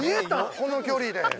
この距離で。